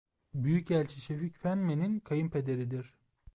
Büyükelçi Şefik Fenmen'in kayınpederidir.